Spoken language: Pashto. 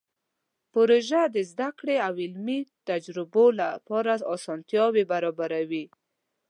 پروژه د زده کړې او علمي تجربو لپاره اسانتیاوې برابروي.